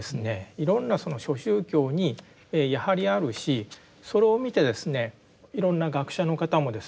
いろんな諸宗教にやはりあるしそれを見てですねいろんな学者の方もですねこういった宗教被害